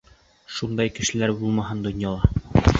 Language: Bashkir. Шундай кешеләр булмаһын донъяла.